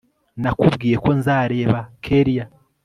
nakubwiye ko nzareba kellia